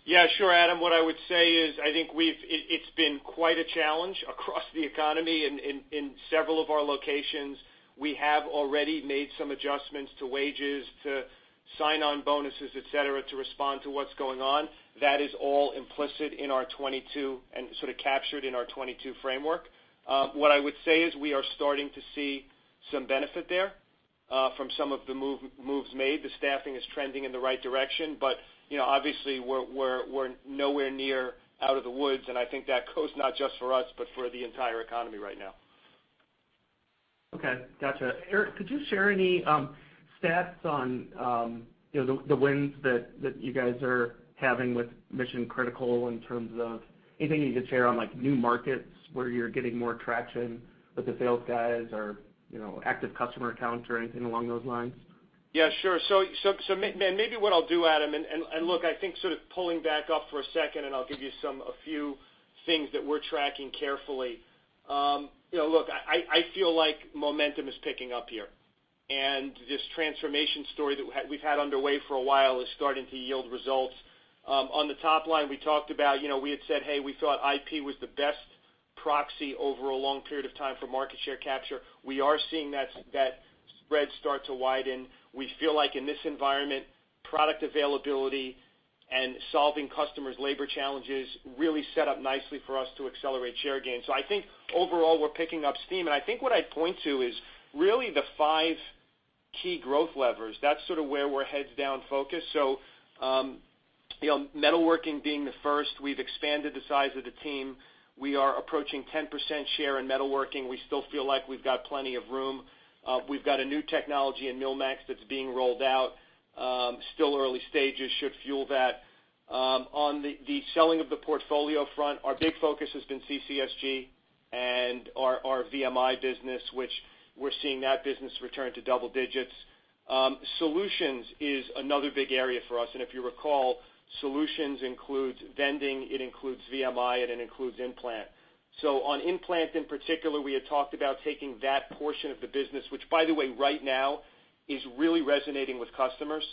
Yeah, sure, Adam. What I would say is, I think it's been quite a challenge across the economy in several of our locations. We have already made some adjustments to wages, to sign-on bonuses, et cetera, to respond to what's going on. That is all implicit in our 2022 and sort of captured in our 2022 framework. What I would say is, we are starting to see some benefit there from some of the moves made. The staffing is trending in the right direction. Obviously, we're nowhere near out of the woods, and I think that goes not just for us, but for the entire economy right now. Okay, got you. Erik, could you share any stats on the wins that you guys are having with Mission Critical in terms of anything you could share on new markets where you're getting more traction with the sales guys or active customer count or anything along those lines? Yeah, sure. Maybe what I'll do, Adam, look, I think sort of pulling back up for a second, I'll give you a few things that we're tracking carefully. Look, I feel like momentum is picking up here, this transformation story that we've had underway for a while is starting to yield results. On the top line, we talked about we had said, hey, we thought IP was the best proxy over a long period of time for market share capture. We are seeing that spread start to widen. We feel like in this environment, product availability and solving customers' labor challenges really set up nicely for us to accelerate share gains. I think overall, we're picking up steam, I think what I'd point to is really the five key growth levers. That's sort of where we're heads down focused. Metalworking being the first. We've expanded the size of the team. We are approaching 10% share in metalworking. We still feel like we've got plenty of room. We've got a new technology in MillMax that's being rolled out. Still early stages, should fuel that. On the selling of the portfolio front, our big focus has been CCSG and our VMI business, which we're seeing that business return to double digits. Solutions is another big area for us, and if you recall, solutions includes vending, it includes VMI, and it includes implant. On implant in particular, we had talked about taking that portion of the business, which by the way, right now is really resonating with customers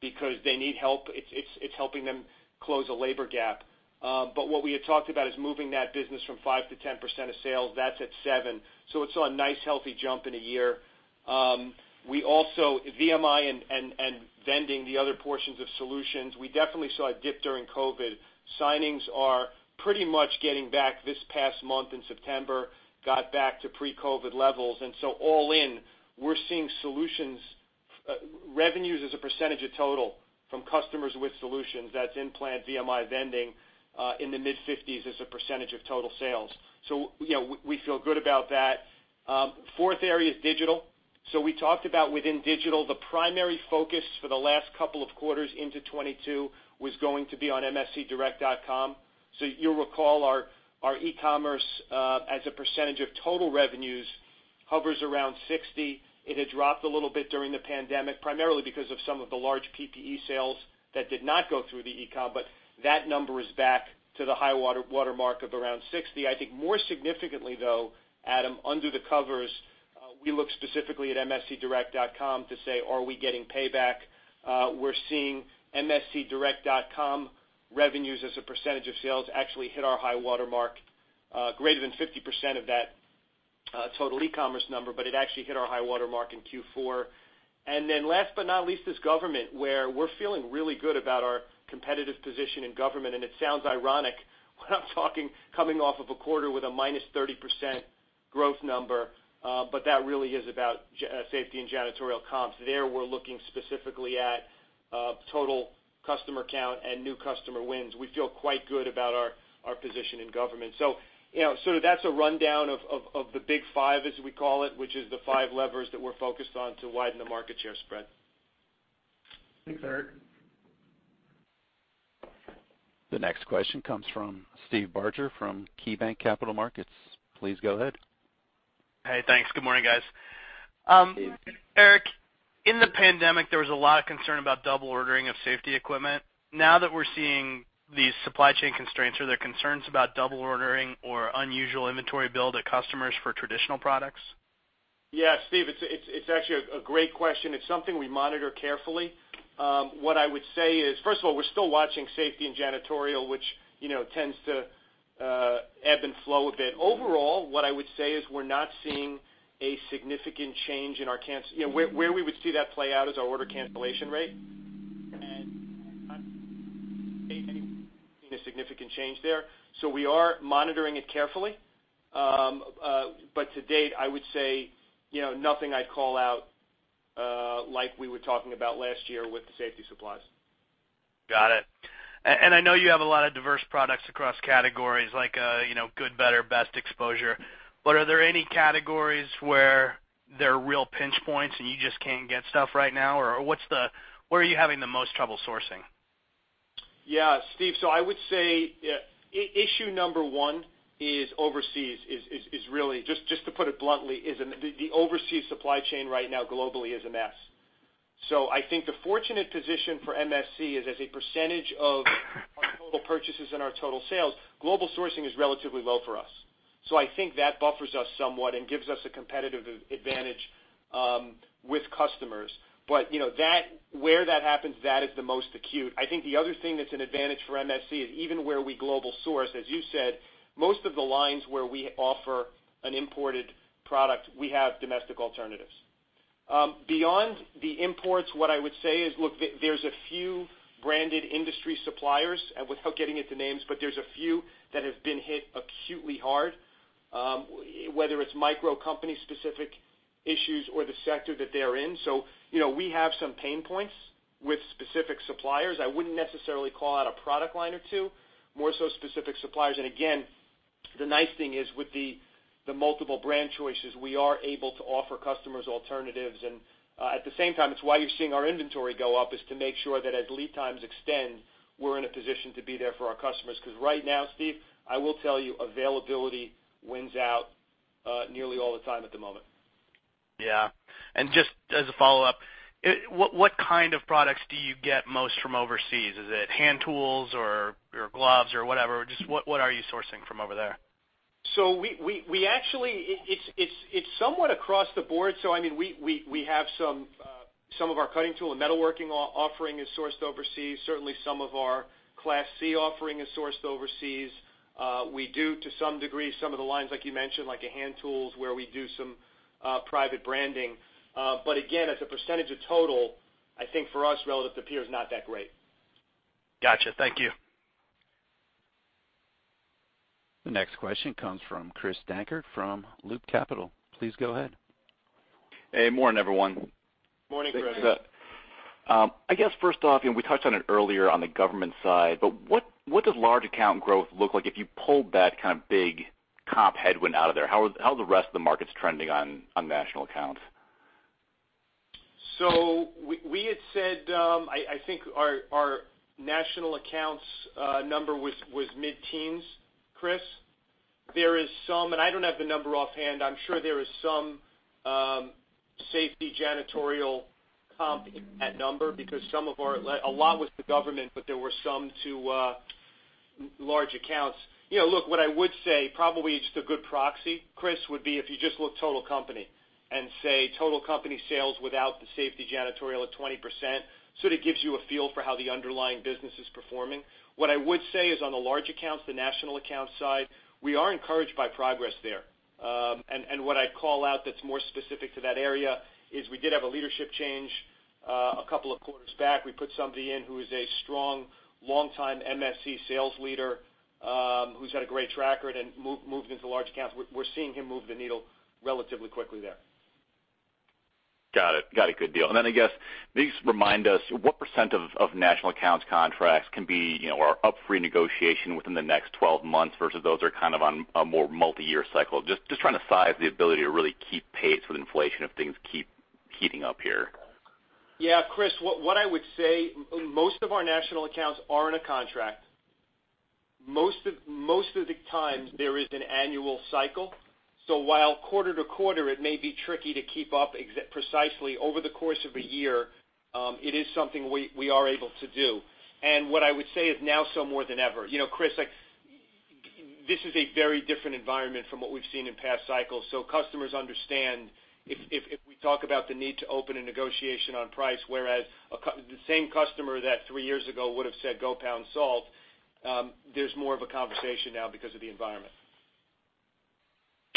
because they need help. It's helping them close a labor gap. What we had talked about is moving that business from 5% to 10% of sales. That's at 7%. It saw a nice, healthy jump in a year. VMI and vending, the other portions of solutions, we definitely saw a dip during COVID-19. Signings are pretty much getting back this past month in September, got back to pre-COVID levels. All in, we're seeing solutions revenues as a percentage of total from customers with solutions, that's implant, VMI, vending, in the mid-50s as a percentage of total sales. We feel good about that. Fourth area is digital. We talked about within digital, the primary focus for the last couple of quarters into 2022 was going to be on mscdirect.com. You'll recall our e-commerce as a percentage of total revenues hovers around 60%. It had dropped a little bit during the pandemic, primarily because of some of the large PPE sales that did not go through the e-com, but that number is back to the high watermark of around 60%. I think more significantly though, Adam, under the covers, we look specifically at mscdirect.com to say, are we getting payback? We're seeing mscdirect.com revenues as a percentage of sales actually hit our high watermark greater than 50% of that total e-commerce number, but it actually hit our high watermark in Q4. Last but not least is government, where we're feeling really good about our competitive position in government, and it sounds ironic when I'm talking coming off of a quarter with a -30% growth number. That really is about safety and janitorial comps. There, we're looking specifically at total customer count and new customer wins. We feel quite good about our position in government. That's a rundown of the big five, as we call it, which is the five levers that we're focused on to widen the market share spread. Thanks, Erik. The next question comes from Steve Barger from KeyBanc Capital Markets. Please go ahead. Hey, thanks. Good morning, guys. Steve. Erik, in the pandemic, there was a lot of concern about double ordering of safety equipment. Now that we're seeing these supply chain constraints, are there concerns about double ordering or unusual inventory build at customers for traditional products? Yeah, Steve, it's actually a great question. It's something we monitor carefully. What I would say is, first of all, we're still watching safety and janitorial, which tends to ebb and flow a bit. Overall, what I would say is we're not seeing a significant change. Where we would see that play out is our order cancellation rate. To date, we haven't seen a significant change there. We are monitoring it carefully. To date, I would say, nothing I'd call out like we were talking about last year with the safety supplies. Got it. I know you have a lot of diverse products across categories like good, better, best exposure, but are there any categories where there are real pinch points and you just can't get stuff right now, or where are you having the most trouble sourcing? Yeah, Steve. I would say issue number one is overseas, is really, just to put it bluntly, the overseas supply chain right now globally is a mess. I think the fortunate position for MSC is as a percentage of our total purchases and our total sales, global sourcing is relatively low for us. I think that buffers us somewhat and gives us a competitive advantage with customers. Where that happens, that is the most acute. I think the other thing that's an advantage for MSC is even where we global source, as you said, most of the lines where we offer an imported product, we have domestic alternatives. Beyond the imports, what I would say is, look, there's a few branded industry suppliers, and without getting into names, but there's a few that have been hit acutely hard. Whether it's micro company specific issues or the sector that they're in. We have some pain points with specific suppliers. I wouldn't necessarily call out a product line or two, more so specific suppliers. Again, the nice thing is with the multiple brand choices, we are able to offer customers alternatives. At the same time, it's why you're seeing our inventory go up, is to make sure that as lead times extend, we're in a position to be there for our customers. Right now, Steve, I will tell you, availability wins out nearly all the time at the moment. Yeah. Just as a follow-up, what kind of products do you get most from overseas? Is it hand tools or gloves or whatever? Just what are you sourcing from over there? It's somewhat across the board. We have some of our cutting tool and metalworking offering is sourced overseas. Certainly, some of our Class C offering is sourced overseas. We do, to some degree, some of the lines like you mentioned, like hand tools, where we do some private branding. Again, as a percentage of total, I think for us relative to peer is not that great. Got you. Thank you. The next question comes from Chris Dankert from Loop Capital. Please go ahead. Hey, morning, everyone. Morning, Chris. I guess first off, we touched on it earlier on the government side, but what does large account growth look like if you pulled that kind of big comp headwind out of there? How are the rest of the markets trending on national accounts? We had said, I think our national accounts number was mid-teens, Chris. There is some, and I don't have the number offhand, I'm sure there is some safety janitorial comp in that number because a lot with the government, but there were some to large accounts. Look, what I would say, probably just a good proxy, Chris, would be if you just look total company, and say total company sales without the safety janitorial at 20%, sort of gives you a feel for how the underlying business is performing. What I would say is on the large accounts, the national accounts side, we are encouraged by progress there. What I'd call out that's more specific to that area is we did have a leadership change, a couple of quarters back. We put somebody in who is a strong longtime MSC sales leader, who's had a great track record and moved into large accounts. We're seeing him move the needle relatively quickly there. Got it. Good deal. I guess, can you just remind us what percent of national accounts contracts can be, or are up for renegotiation within the next 12 months versus those are kind of on a more multiyear cycle? Just trying to size the ability to really keep pace with inflation if things keep heating up here. Yeah. Chris, what I would say, most of our national accounts are in a contract. Most of the times there is an annual cycle. While quarter to quarter it may be tricky to keep up precisely over the course of a year, it is something we are able to do. What I would say is now so more than ever. Chris, this is a very different environment from what we've seen in past cycles. Customers understand if we talk about the need to open a negotiation on price, whereas the same customer that three years ago would have said, "Go pound salt," there's more of a conversation now because of the environment.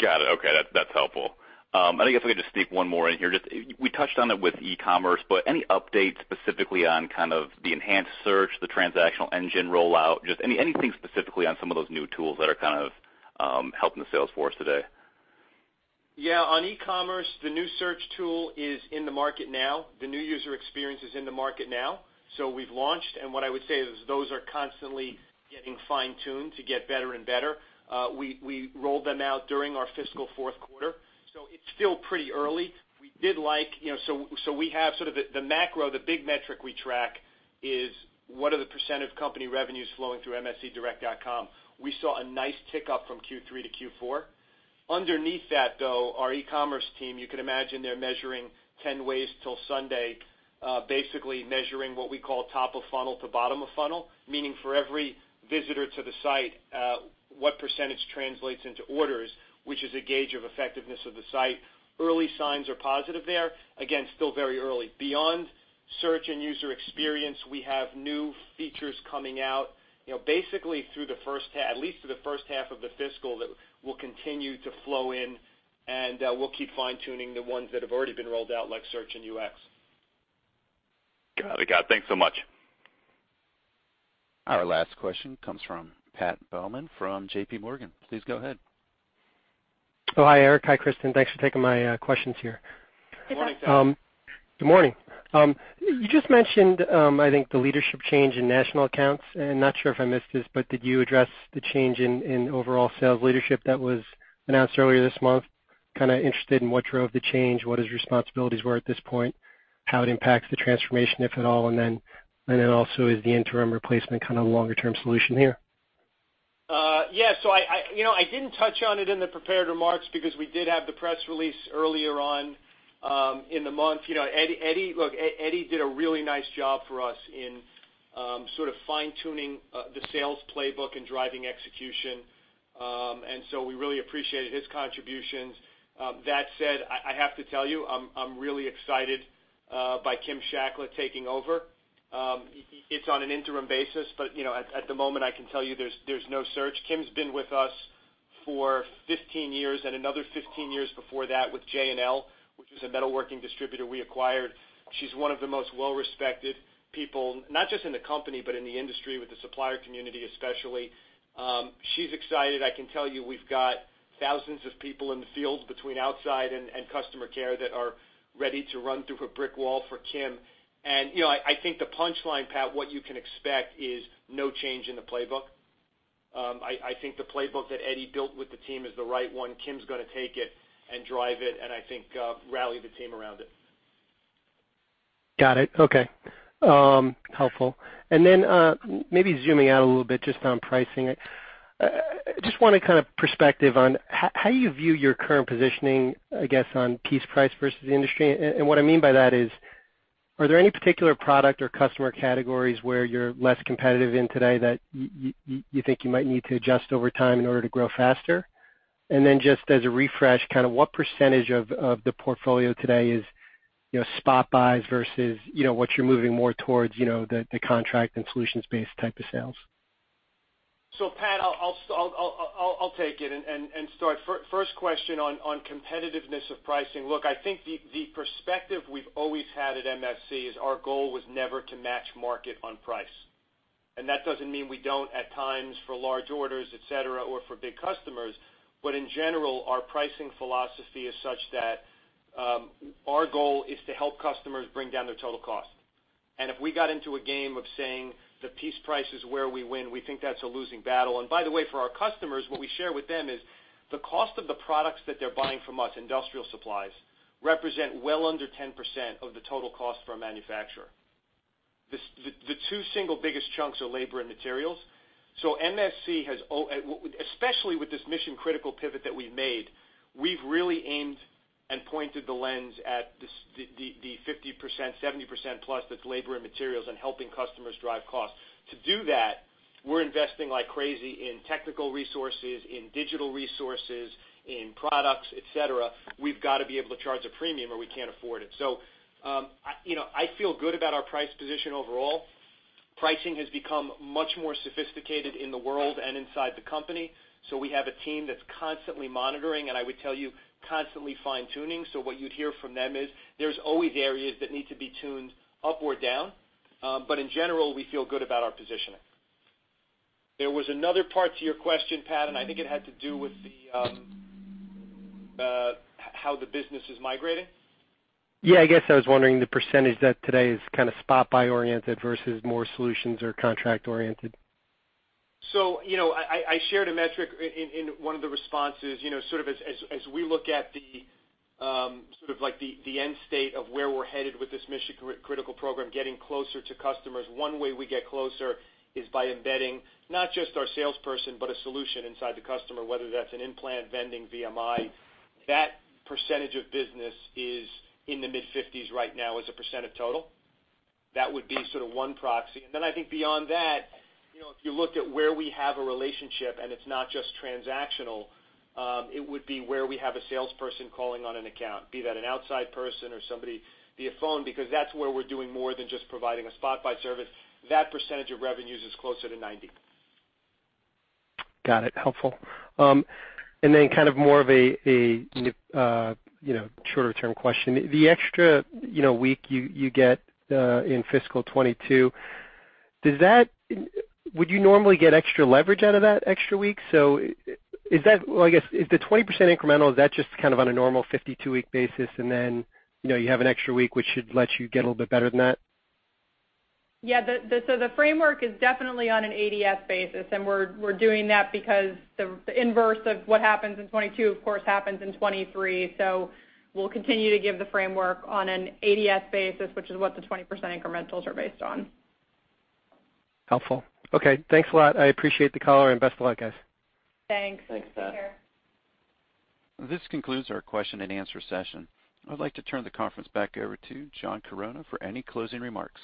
Got it. Okay. That's helpful. I guess if I could just sneak one more in here. We touched on it with e-commerce, but any updates specifically on kind of the enhanced search, the transactional engine rollout? Just anything specifically on some of those new tools that are kind of helping the sales force today? On e-commerce, the new search tool is in the market now. The new user experience is in the market now. We've launched, what I would say is those are constantly getting fine-tuned to get better and better. We rolled them out during our fiscal fourth quarter, it's still pretty early. The macro, the big metric we track is what are the percent of company revenues flowing through mscdirect.com. We saw a nice tick up from Q3 to Q4. Underneath that, though, our e-commerce team, you can imagine they're measuring 10 ways till Sunday, basically measuring what we call top of funnel to bottom of funnel, meaning for every visitor to the site, what percentage translates into orders, which is a gauge of effectiveness of the site. Early signs are positive there. Again, still very early. Beyond search and UX, we have new features coming out basically at least through the first half of the fiscal that will continue to flow in, and we'll keep fine-tuning the ones that have already been rolled out, like search and UX. Got it. Thanks so much. Our last question comes from Pat Baumann from JPMorgan. Please go ahead. Oh, hi, Erik. Hi, Kristen. Thanks for taking my questions here. Good morning, Pat. Good morning. You just mentioned, I think the leadership change in national accounts, and not sure if I missed this, but did you address the change in overall sales leadership that was announced earlier this month? Kind of interested in what drove the change, what his responsibilities were at this point, how it impacts the transformation, if at all, and then also is the interim replacement kind of a longer-term solution here? Yes. You know, I didn't touch on it in the prepared remarks because we did have the press release earlier on in the month. Eddie did a really nice job for us in sort of fine-tuning the sales playbook and driving execution. We really appreciated his contributions. That said, I have to tell you, I'm really excited by Kim Shacklett taking over. It's on an interim basis, but at the moment, I can tell you there's no search. Kim's been with us for 15 years and another 15 years before that with J&L, which is a metalworking distributor we acquired. She's one of the most well-respected people, not just in the company, but in the industry, with the supplier community, especially. She's excited. I can tell you, we've got thousands of people in the field between outside and customer care that are ready to run through a brick wall for Kim. I think the punchline, Pat, what you can expect is no change in the playbook. I think the playbook that Eddie built with the team is the right one. Kim's going to take it and drive it, and I think rally the team around it. Got it. Okay. Helpful. Then, maybe zooming out a little bit just on pricing. I just want a kind of perspective on how you view your current positioning, I guess, on piece price versus the industry. What I mean by that is, are there any particular product or customer categories where you're less competitive in today that you think you might need to adjust over time in order to grow faster? Then just as a refresh, what percentage of the portfolio today is spot buys versus what you're moving more towards, the contract and solutions-based type of sales? Pat, I'll take it and start. First question on competitiveness of pricing. Look, I think the perspective we've always had at MSC is our goal was never to match market on price. That doesn't mean we don't at times, for large orders, et cetera, or for big customers. In general, our pricing philosophy is such that our goal is to help customers bring down their total cost. If we got into a game of saying the piece price is where we win, we think that's a losing battle. By the way, for our customers, what we share with them is the cost of the products that they're buying from us, industrial supplies, represent well under 10% of the total cost for a manufacturer. The two single biggest chunks are labor and materials. MSC, especially with this Mission Critical pivot that we've made, we've really aimed and pointed the lens at the 50%, 70%+ that's labor and materials and helping customers drive costs. To do that, we're investing like crazy in technical resources, in digital resources, in products, et cetera. We've got to be able to charge a premium or we can't afford it. I feel good about our price position overall. Pricing has become much more sophisticated in the world and inside the company. We have a team that's constantly monitoring, and I would tell you, constantly fine-tuning. What you'd hear from them is there's always areas that need to be tuned up or down. In general, we feel good about our positioning. There was another part to your question, Pat, I think it had to do with how the business is migrating? Yeah, I guess I was wondering the percentage that today is kind of spot buy oriented versus more solutions or contract oriented. I shared a metric in one of the responses, sort of as we look at the end state of where we're headed with this Mission Critical program, getting closer to customers. One way we get closer is by embedding not just our salesperson, but a solution inside the customer, whether that's an in-plant vending VMI. That percentage of business is in the mid-50s right now as a percent of total. That would be sort of one proxy. I think beyond that, if you looked at where we have a relationship, and it's not just transactional, it would be where we have a salesperson calling on an account, be that an outside person or somebody via phone, because that's where we're doing more than just providing a spot buy service. That percentage of revenues is closer to 90%. Got it. Helpful. Then kind of more of a shorter-term question. The extra week you get in fiscal 2022, would you normally get extra leverage out of that extra week? I guess, if the 20% incremental, is that just kind of on a normal 52-week basis, and then you have an extra week, which should let you get a little bit better than that? Yeah. The framework is definitely on an ADS basis, and we're doing that because the inverse of what happens in 2022, of course, happens in 2023. We'll continue to give the framework on an ADS basis, which is what the 20% incrementals are based on. Helpful. Okay, thanks a lot. I appreciate the color, and best of luck, guys. Thanks. Thanks, Pat. Take care. This concludes our question and answer session. I'd like to turn the conference back over to John Chironna for any closing remarks.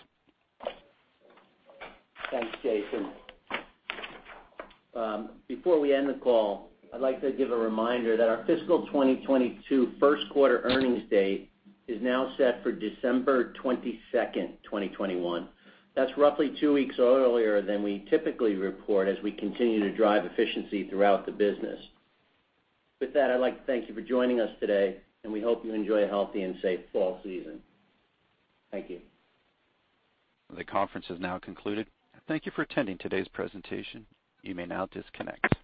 Thanks, Jason. Before we end the call, I'd like to give a reminder that our fiscal 2022 first quarter earnings date is now set for December 22nd, 2021. That's roughly two weeks earlier than we typically report as we continue to drive efficiency throughout the business. With that, I'd like to thank you for joining us today, and we hope you enjoy a healthy and safe fall season. Thank you. The conference has now concluded. Thank you for attending today's presentation. You may now disconnect.